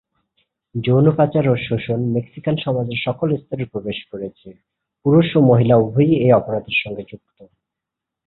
যৌন পাচার এবং শোষণ মেক্সিকান সমাজের সকল স্তরে প্রবেশ করেছে, পুরুষ এবং মহিলা উভয়েই এই অপরাধের সঙ্গে যুক্ত।